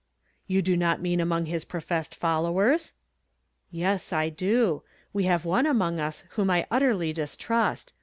"You do not mean among his professed fol owers ?"" Yea, I do ; we have one among us whom I utterly distrust.